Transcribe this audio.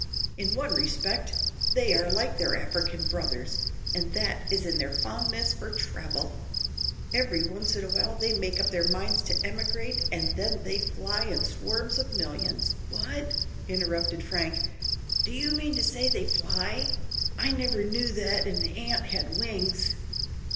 "In one respect they are like their African brothers and that is in their fondness for travel. Every once in a while they make up their minds to emigrate and then they fly in swarms of millions " "What?" interrupted Frank, "do you mean to say they fly? I never knew that an ant had wings."